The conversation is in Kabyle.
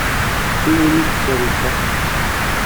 Iwumi-tt tsarutt-a?